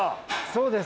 そうです。